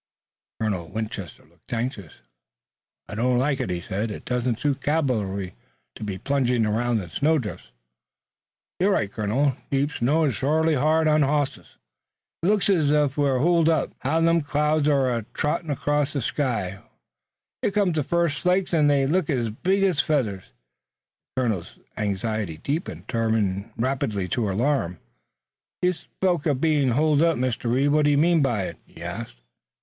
Colonel Winchester looked anxious. "I don't like it," he said. "It doesn't suit cavalry to be plunging around in snowdrifts." "You're right, colonel. Deep snow is shorely hard on hosses. It looks ez ef we'd be holed up. B'ars an' catamounts, how them clouds are a trottin' 'cross the sky! Here come the fust flakes an' they look ez big ez feathers!" The colonel's anxiety deepened, turning rapidly to alarm. "You spoke of our being holed up, Mr. Reed, what did you mean by it?" he asked.